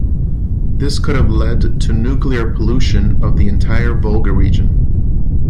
This could have led to nuclear pollution of the entire Volga region.